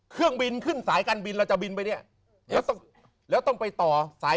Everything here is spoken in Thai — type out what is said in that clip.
เครื่องบินขึ้นสายการบินเราจะบินไปเนี่ยแล้วต้องไปต่อสาย